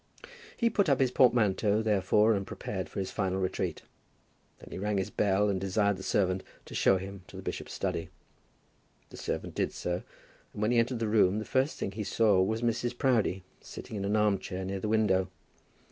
He put up his portmanteau, therefore, and prepared for his final retreat. Then he rang his bell and desired the servant to show him to the bishop's study. The servant did so, and when he entered the room the first thing he saw was Mrs. Proudie sitting in an arm chair near the window.